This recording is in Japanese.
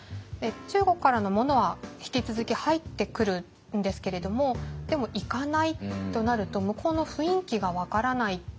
中国からのものは引き続き入ってくるんですけれどもでも行かないとなると向こうの雰囲気が分からない。